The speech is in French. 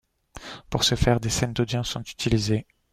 Pour ce faire, des scènes d'audience sont utilisées.